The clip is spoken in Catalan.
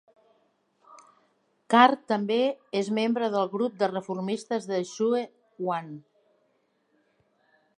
Carr també és membre del Grup de reformistes de Issue One.